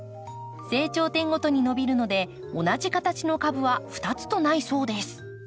成長点ごとに伸びるので同じ形の株は二つとないそうです。